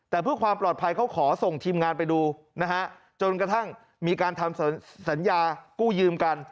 แต่เพื่อความปลอดภัยเขาขอส่งทีมงานไปดูนะฮะจนกระทั่งมีการทำสัญญากู้ยืมกัน